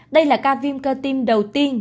đây là ca viêm cơ tim đầu tiên